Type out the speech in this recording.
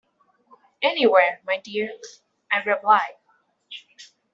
"Anywhere, my dear," I replied.